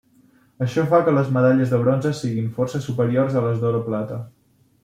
Això fa que les medalles de bronze siguin força superiors a les d'or o plata.